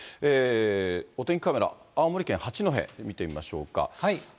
お天気カメラ、青森県八戸、見てみましょうか。